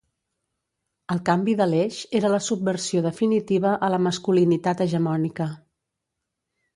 El canvi d'Aleix era la subversió definitiva a la masculinitat hegemònica.